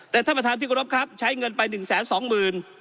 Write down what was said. แต่ท่านประธานที่กรบครับใช้เงินไปหนึ่งแสนสองหมื่น